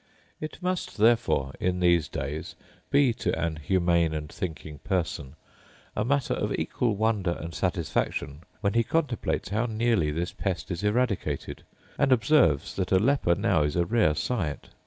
It must therefore, in these days, be, to an humane and thinking person, a matter of equal wonder and satisfaction, when he contemplates how nearly this pest is eradicated, and observes that a leper now is a rare sight.